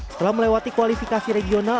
setelah melewati kualifikasi regional